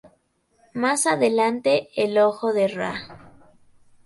Más adelante el "Ojo de Ra".